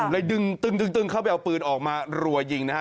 ดึงตึ้งเข้าไปเอาปืนออกมารัวยิงนะฮะ